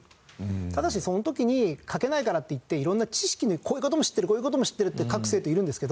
ただしその時に書けないからっていって色んな知識でこういう事も知ってるこういう事も知ってるって書く生徒いるんですけど。